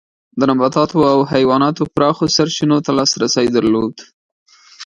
د نباتاتو او حیواناتو پراخو سرچینو ته لاسرسی درلود.